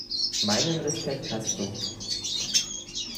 Meinen Respekt hast du.